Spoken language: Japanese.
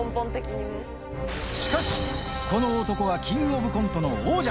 しかし、この男はキングオブコントの王者。